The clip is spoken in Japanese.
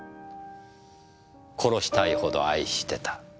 『殺したいほど愛してた』。